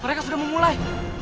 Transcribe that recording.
mereka sudah memulai